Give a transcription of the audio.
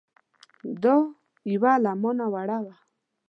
دا یوه له ما نه واوره